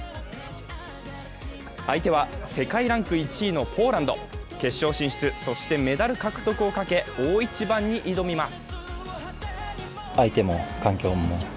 相手は世界ランク１位のポーランド決勝進出、そしてメダル獲得をかけ大一番に挑みます。